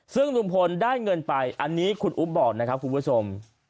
ซึ่งลุงพลได้เงินไปอันนี้คุณอุ๊บบอกนะครับคุณผู้ชม